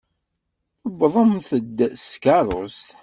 Tewwḍemt-d s tkeṛṛust.